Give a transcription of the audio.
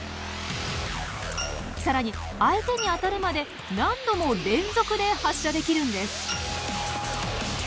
更に相手に当たるまで何度も連続で発射できるんです。